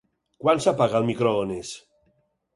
Quan s'apaga el microones?